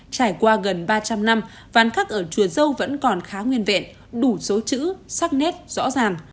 trải qua gần ba trăm linh năm ván khắc ở chùa dâu vẫn còn khá nguyên vẹn đủ số chữ sắc nét rõ ràng